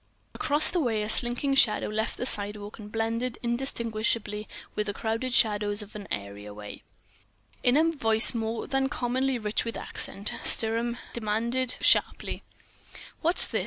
Across the way a slinking shadow left the sidewalk and blended indistinguishably with the crowded shadows of an areaway. In a voice more than commonly rich with accent, Sturm demanded sharply: "What is this?